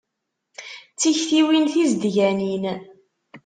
D tiktiwin tizedganin.